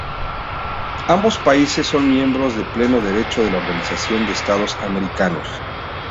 Ambos países son miembros de pleno derecho de la Organización de Estados Americanos.